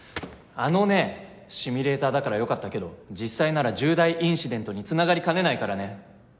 あのねシミュレーターだからよかったけど実際なら重大インシデントに繋がりかねないからね。